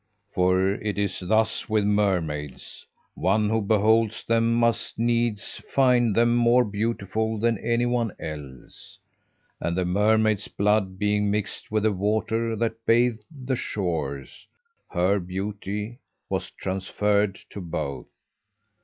For it is thus with mermaids: one who beholds them must needs find them more beautiful than any one else, and the mermaid's blood being mixed with the water that bathed the shores, her beauty was transferred to both.